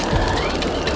balikkan api umut